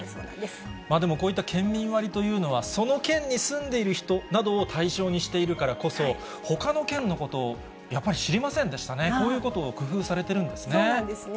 こういった県民割というのは、その県に住んでいる人などを対象にしているからこそ、ほかの県のことをやっぱり知りませんでしたね、こういうことを工夫されているんですね。